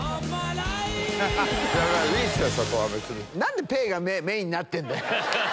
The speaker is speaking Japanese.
何でペーがメインになってんだよ。